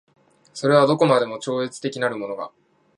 それはどこまでも超越的なるものが